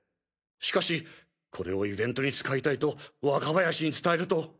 しかしこれをイベントに使いたいと若林に伝えると。